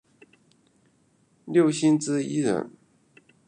六星之一人。